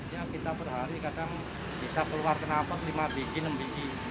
ya kita per hari kadang bisa keluar kenalpot lima biji enam biji